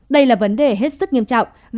đây là vấn đề hết sức nghiêm trọng